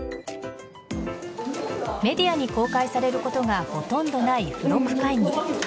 メディアに公開されることがほとんどない付録会議。